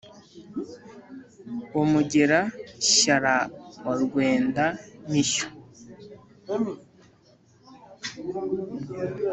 wa mugera shyara wa rwenda mishyo